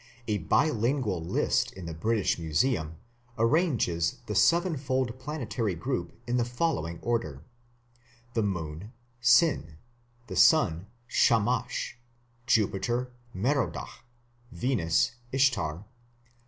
A bilingual list in the British Museum arranges the sevenfold planetary group in the following order: The moon, Sin. The sun, Shamash. Jupiter, Merodach. Venus, Ishtar.